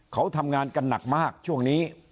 เขาทำงานกันหนักมากช่วงนี้